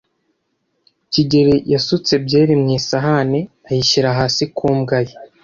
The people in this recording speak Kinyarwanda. kigeli yasutse byeri mu isahani ayishyira hasi ku mbwa ye.